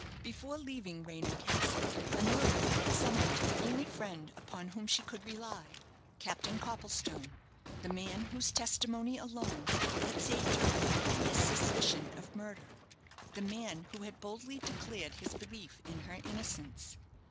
Before leaving Raynham Castle, Honoria had summoned the one only friend upon whom she could rely Captain Copplestone the man whose testimony alone had saved her from the hideous suspicion of murder the man who had boldly declared his belief in her innocence.